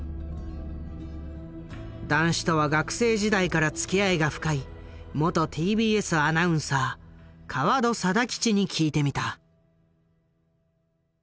談志とは学生時代からつきあいが深い元ＴＢＳアナウンサー川戸貞吉に聞いてみた。